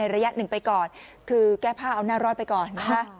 ระยะหนึ่งไปก่อนคือแก้ผ้าเอาหน้ารอดไปก่อนนะคะ